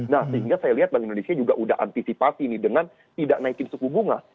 nah sehingga saya lihat bank indonesia juga sudah antisipasi nih dengan tidak naikin suku bunga